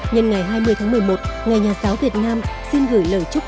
nhân ngày hai mươi tháng một mươi một ngài nhà giáo việt nam xin gửi lời chúc